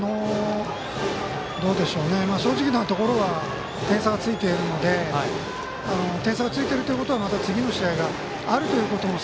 正直なところは点差がついているので点差がついているということは次の試合があるということも。